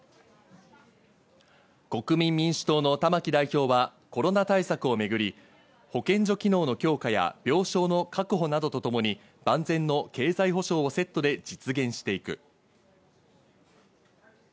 国民民主党の玉木代表はコロナ対策をめぐり、保健所機能の強化や病床の確保などとともに、万全の経済補償をセットで実現していく。